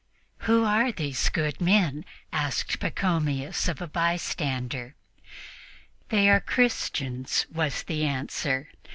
"Who are these good men?" asked Pachomius of a bystander. "They are Christians," was the answer.